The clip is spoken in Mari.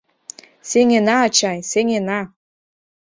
Сеҥена, ачай, сеҥена!